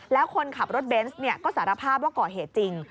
แล้วคนขับรถเบนส์ก็สารภาพว่าก่อเหตุจริง